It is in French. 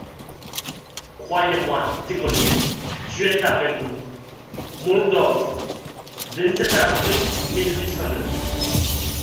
Croyez-moi, Tyroliens, Dieu est avec nous ! Mulhdorf, vingt-sept avril mille huit cent neuf.